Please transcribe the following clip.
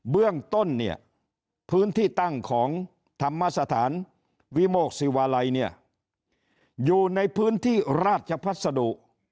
เบื้องต้นเนี่ยพื้นที่ตั้งของธรรมสถานวิโมกศิวาลัยเนี่ยอยู่ในพื้นที่ราชพัสดุ